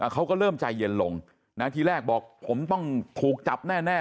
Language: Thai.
เขาก็เริ่มใจเย็นลงทีแรกบอกผมต้องถูกจับแน่